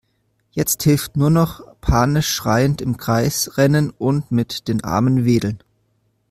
Jetzt hilft nur noch panisch schreiend im Kreis rennen und mit den Armen wedeln.